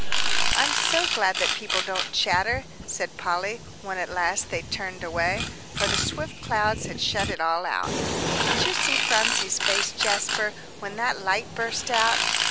"I'm so glad that people don't chatter," said Polly, when at last they turned away, for the swift clouds had shut it all out. "Did you see Phronsie's face, Jasper, when that light burst out?"